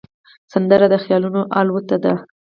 سندره د خیالونو الوت ده